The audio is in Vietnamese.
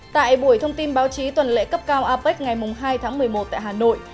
tại buổi thông tin báo chí tuần lễ cấp cao apec ngày hai tháng một mươi một tại hà nội